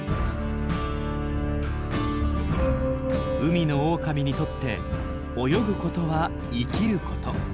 海のオオカミにとって泳ぐことは生きること。